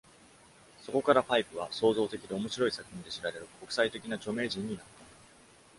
そこから Paik は創造的で面白い作品で知られる国際的な著名人になった。